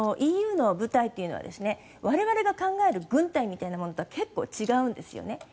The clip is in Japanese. ＥＵの部隊というのは我々が考える軍隊みたいなものと結構違うんですよね。